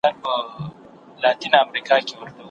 پاچا شاه حسین د میرویس خان ګناهونه وبښل.